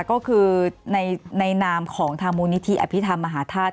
ก็คือในนามของทางบุญธีอภิษฐานมหาธาตุ